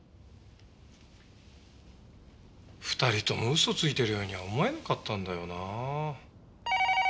２人とも嘘ついてるようには思えなかったんだよなぁ。